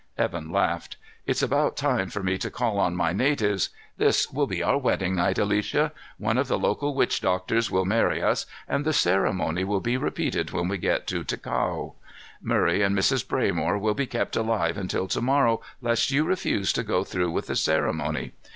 Evan laughed. "It's about time for me to call on my natives. This will be our wedding night, Alicia. One of the local witch doctors will marry us, and the ceremony will be repeated when we get to Ticao. Murray and Mrs. Braymore will be kept alive until to morrow lest you refuse to go through with the ceremony.